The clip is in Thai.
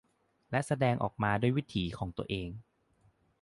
และแสดงออกมาด้วยวิถีของตัวเอง